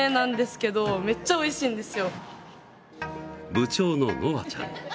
部長の、のあちゃん。